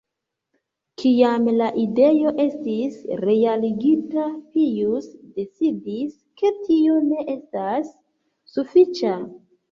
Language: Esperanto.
Kiam la ideo estis realigita, Pijus decidis, ke tio ne estas sufiĉa.